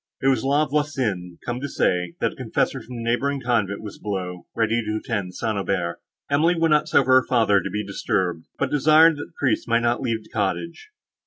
It was La Voisin, come to say, that a confessor from the neighbouring convent was below, ready to attend St. Aubert. Emily would not suffer her father to be disturbed, but desired, that the priest might not leave the cottage.